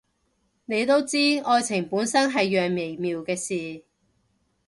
你都知，愛情本身係樣微妙嘅事